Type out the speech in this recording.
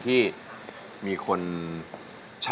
เป็นเพลง